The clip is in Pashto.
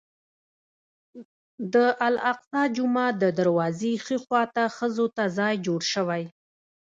د الاقصی جومات د دروازې ښي خوا ته ښځو ته ځای جوړ شوی.